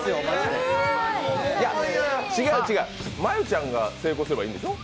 真悠ちゃんが成功すればいいんでしょう。